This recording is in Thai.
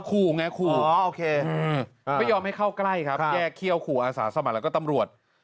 ขู่ไงขู่อ๋อโอเคไม่ยอมให้เข้าใกล้ครับแยกเขี้ยวขู่อาสาสมัครแล้วก็ตำรวจ